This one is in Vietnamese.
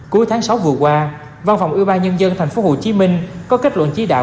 cuối tháng sáu vừa qua văn phòng ưu ba nhân dân tp hcm có kết luận trí đạo